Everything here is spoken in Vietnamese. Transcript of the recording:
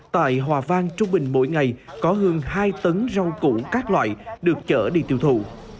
tại hòa vang trung bình mỗi ngày có hơn hai tấn rau củ các loại được chở đi tiêu thụ